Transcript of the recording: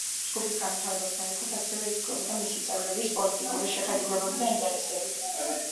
ჯგუფის განვითარებასთან ერთად ასევე იცვლებოდა მისი წევრების პოლიტიკური შეხედულებები და ინტერესები.